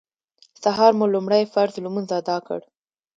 سهار مو لومړی فرض لمونځ اداء کړ.